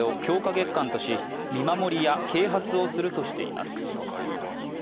月間とし、見守りや啓発をするとしています。